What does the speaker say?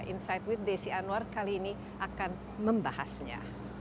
insight with desi anwar kali ini akan membahasnya